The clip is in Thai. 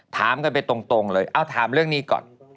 ถามกันไปตรงเลยเอาถามเรื่องนี้ก่อน